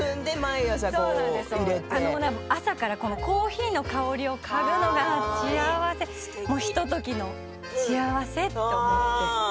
朝からコーヒーの香りを嗅ぐのが幸せひとときの幸せと思って。